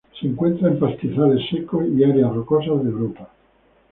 Se encuentra en pastizales secos y áreas rocosas de Europa.